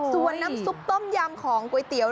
ส่วนน้ำซุปต้มยำของก๋วยเตี๋ยว